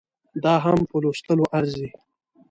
دا هم په لوستلو ارزي